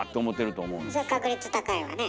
その確率高いわね。